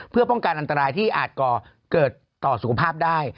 เพื่อป้องกันอันตรายที่อาจเกิดต่อสุขภาพได้